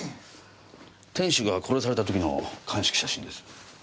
店主が殺された時の鑑識写真です。